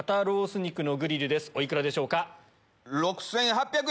お幾らでしょうか？